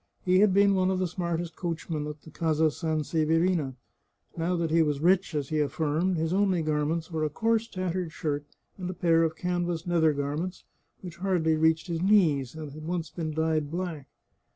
He had been one of the smartest coachmen at the Casa Sanseverina ; now that he was rich, as he affirmed, his only garments were a coarse, tattered shirt and a pair of canvas nether garments, which hardly reached his knees, and had once been dyed black.